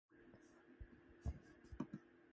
Secondly, the air quality in the town is not good.